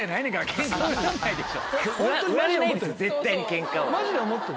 絶対にケンカを。